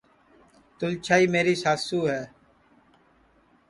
تُلچھائی میری ساسُو ہے